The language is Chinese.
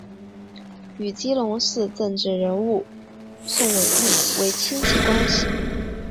与基隆市政治人物宋玮莉为亲戚关系。